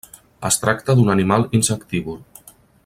Es tracta d'un animal insectívor.